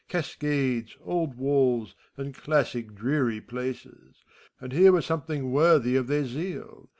Cascades, old walls, and classic dreary places; And here were something worthy of their zeal.